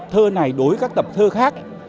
thơ này đối với các tập thơ khác